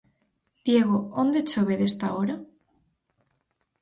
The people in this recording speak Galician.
Diego, onde chove desta hora?